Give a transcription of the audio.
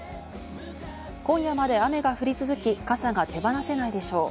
今夜まで雨が降り続き、傘が手放せないでしょう。